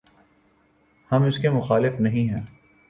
ہم اس کے مخالف نہیں ہیں۔